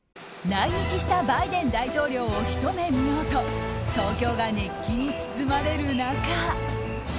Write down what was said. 来日したバイデン大統領をひと目見ようと東京が熱気に包まれる中。